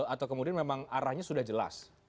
atau kemudian memang arahnya sudah jelas